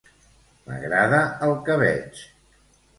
M'agrada el que veig.